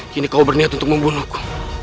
kini kau berniat untuk membunuhku